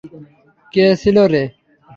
কে ছিল রে?